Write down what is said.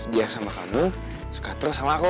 biasa sama kamu suka terus sama aku